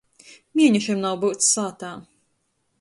Mienešim nav byuts sātā.